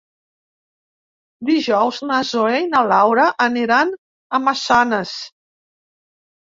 Dijous na Zoè i na Laura aniran a Massanes.